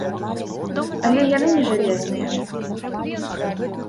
Але і яны не жалезныя.